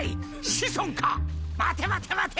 子孫か⁉待て待て待て！